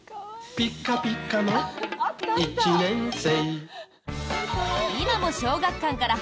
ピッカピッカの一年生。